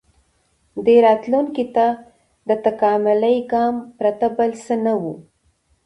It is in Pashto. • دې راتلونکي ته د تکاملي ګام پرته بل څه نه و.